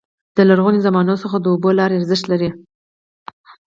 د لرغوني زمانو څخه د اوبو لارې ارزښت لري.